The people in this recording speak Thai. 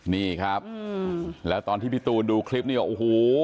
นี่ครับแล้วตอนที่พี่ตูนดูคลิปเนี่ยโอ้โห